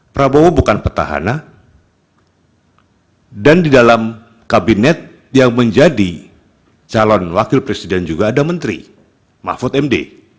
prabowo bukan petahana dan di dalam kabinet yang menjadi calon wakil presiden juga ada menteri mahfud md